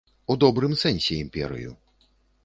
У добрым сэнсе імперыю.